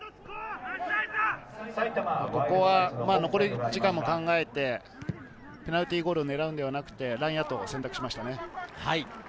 ここは残り時間も考えてペナルティーゴールを狙うんではなくてラインアウトを選択しましたね。